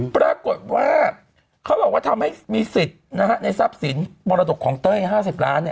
ปรากฏว่าเขาบอกว่าทำให้มีสิทธิ์ในทรัพย์สินมรดกของเต้ย๕๐ล้าน